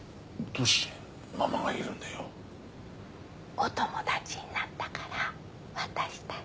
お友達になったから私たち。